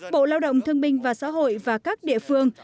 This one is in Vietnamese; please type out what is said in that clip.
bộ lao động thương minh và xã hội và các địa phương